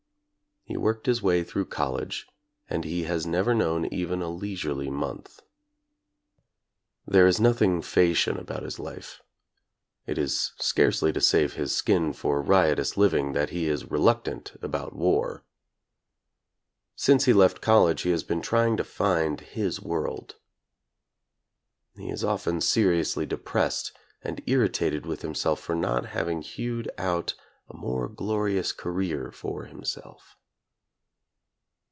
He worked his way through college, and he has never known even a leisurely month. There is nothing Phseacian about his life. It is scarcely to save his skin for riotous living that he is reluctant about war. Since he left college he has been trying to find his world. He is often seriously depressed and irritated with himself for not having hewed out a more glorious career for himself.